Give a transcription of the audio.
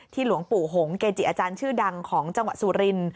หลวงปู่หงเกจิอาจารย์ชื่อดังของจังหวัดสุริน